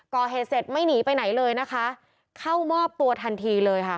ก่อเหตุเสร็จไม่หนีไปไหนเลยนะคะเข้ามอบตัวทันทีเลยค่ะ